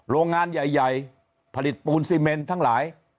โรงงานใหญ่ผลิตปูนซีเมนทั้งหลาย